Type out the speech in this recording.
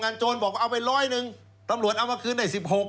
งานโจรบอกว่าเอาไป๑๐๐ล้านนึงตำรวจเอามาคืนได้๑๖